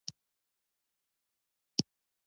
توپک د مینې ترانه خاموشوي.